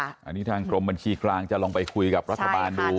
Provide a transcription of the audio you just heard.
อันนี้ทางกรมบัญชีกลางจะลองไปคุยกับรัฐบาลดู